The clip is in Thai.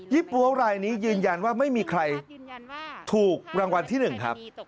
ปั๊วรายนี้ยืนยันว่าไม่มีใครถูกรางวัลที่๑ครับ